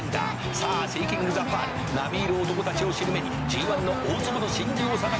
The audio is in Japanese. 「さあシーキングザパール並み居る男たちを尻目にＧⅠの大粒の真珠を探し当てるか？」